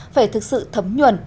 phải thực sự thấm nhuần